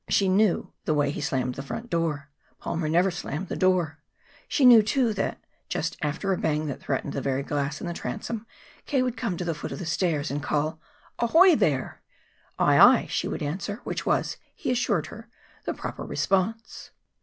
She knew the way he slammed the front door. Palmer never slammed the door. She knew too that, just after a bang that threatened the very glass in the transom, K. would come to the foot of the stairs and call: "Ahoy, there!" "Aye, aye," she would answer which was, he assured her, the proper response.